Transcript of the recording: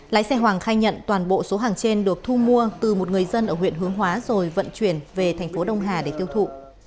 lái xe hoàng khai nhận toàn bộ số hàng trên được thu mua từ một người dân ở huyện hướng hóa rồi vận chuyển về thành phố đông hà để tiêu thụ